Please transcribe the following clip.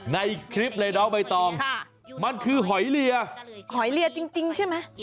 ในคลิปเลยน้องใบตองมันคือหอยเลียหอยเลียจริงใช่ไหม